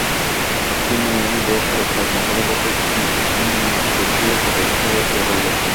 একটি মেয়ে বেশ যত্ন করে ভেতরে নিয়ে বসিয়ে পদসেবা শুরু করল।